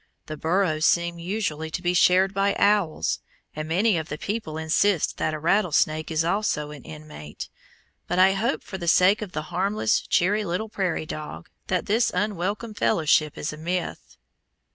The burrows seem usually to be shared by owls, and many of the people insist that a rattlesnake is also an inmate, but I hope for the sake of the harmless, cheery little prairie dog, that this unwelcome fellowship is a myth.